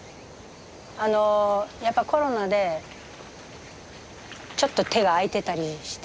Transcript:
あのやっぱコロナでちょっと手が空いてたりして。